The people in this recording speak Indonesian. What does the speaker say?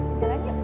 sekejap lagi ya bu